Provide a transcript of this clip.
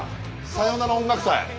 「さよなら音楽祭」。